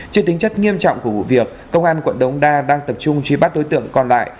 trên tính chất nghiêm trọng của vụ việc công an quận đống đa đang tập trung truy bắt đối tượng còn lại